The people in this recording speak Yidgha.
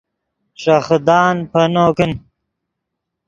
ݰے خدان پینو کن